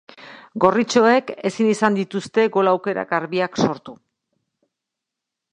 Gorritxoek ezin izan dituzte gol aukera garbiak sortu.